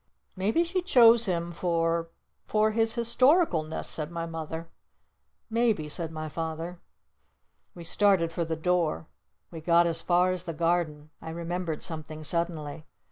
"Maybe she chose him for for his historicalness," said my Mother. " Maybe," said my Father. We started for the door. We got as far as the Garden. I remembered something suddenly.